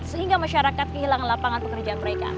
sehingga masyarakat kehilangan lapangan pekerjaan mereka